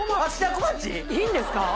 いいんですか？